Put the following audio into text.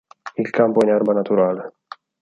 Il campo è in erba naturale.